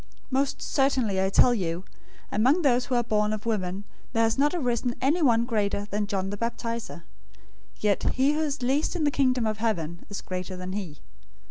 '{Malachi 3:1} 011:011 Most certainly I tell you, among those who are born of women there has not arisen anyone greater than John the Baptizer; yet he who is least in the Kingdom of Heaven is greater than he.